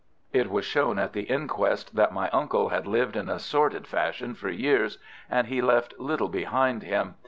It was shown at the inquest that my uncle had lived in a sordid fashion for years, and he left little behind him.